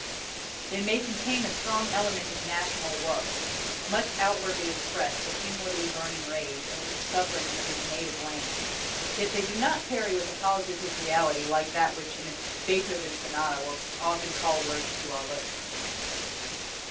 They may contain a strong element of national woe, much outwardly expressed and inwardly burning rage over the sufferings of his native land; yet they do not carry with a positive reality like that which in a Beethoven Sonata will often call words to our lips."